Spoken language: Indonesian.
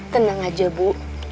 tenang aja bu